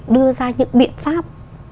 đưa ra những biện pháp